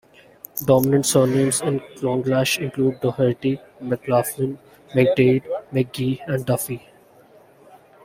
Dominant surnames in Clonglash include Doherty, McLaughlin, McDaid, McGee, and Duffy.